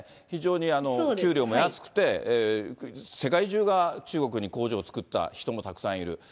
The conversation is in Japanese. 非常に給料も安くて、世界中が中国に工場を作った、人もたくさんいる。